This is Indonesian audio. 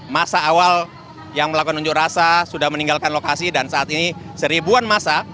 masa awal yang melakukan unjuk rasa sudah meninggalkan lokasi dan saat ini seribuan masa